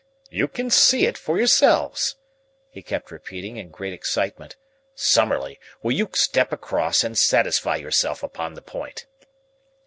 "You can see it for yourselves," he kept repeating in great excitement. "Summerlee, will you step across and satisfy yourself upon the point?